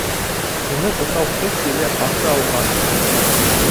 Уны уҫал Ҡыш еле ҡаршы алған.